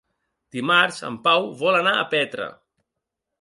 Dimarts en Pau vol anar a Petra.